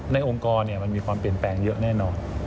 องค์กรมันมีความเปลี่ยนแปลงเยอะแน่นอน